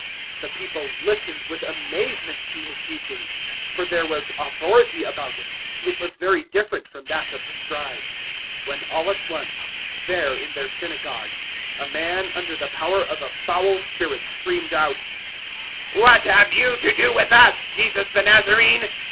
001:022 The people listened with amazement to His teaching for there was authority about it: it was very different from that of the Scribes 001:023 when all at once, there in their synagogue, a man under the power of a foul spirit screamed out: 001:024 "What have you to do with us, Jesus the Nazarene?